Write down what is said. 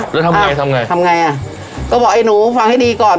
แล้วทำไงทำไงทำไงอ่ะก็บอกไอ้หนูฟังให้ดีก่อน